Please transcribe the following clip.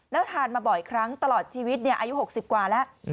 แล้วทานมาบ่อยครั้งตลอดชีวิตอายุ๖๐กว่าแล้ว